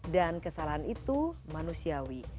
dan kesalahan itu manusiawi